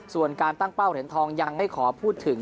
ส่วนการตั้งเป้าเหรียญทองยังไม่ขอพูดถึง